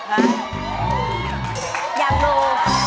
อันนี้นะคะ